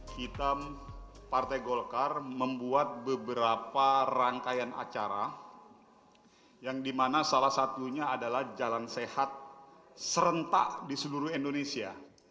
kita partai golkar membuat beberapa rangkaian acara yang dimana salah satunya adalah jalan sehat serentak di seluruh indonesia